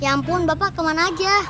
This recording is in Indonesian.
ya ampun bapak kemana aja